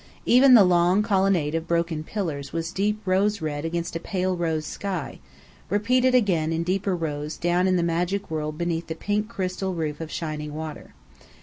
Even the long colonnade of broken pillars was deep rose red against a pale rose sky, repeated again in deeper rose down in a magic world beneath the pink crystal roof of shining water.